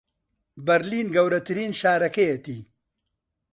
بەرلین گەورەترین شارەکەیەتی